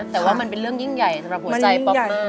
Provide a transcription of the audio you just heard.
แต่ว่ามันเป็นเรื่องยิ่งใหญ่สำหรับหัวใจป๊อกมาก